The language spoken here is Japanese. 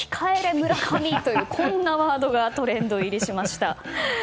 村上とこんなワードがトレンド入りしました。